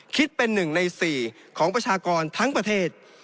คิดเป็น๑ใน๔ของประชากรทั้งประเทศ